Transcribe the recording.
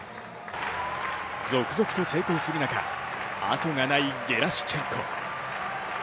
続々と成功する中、あとがないゲラシュチェンコ。